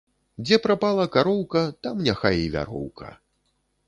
Дзе прапала кароўка, там няхай i вяроўка